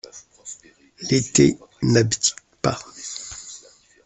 L’été n’abdique pas.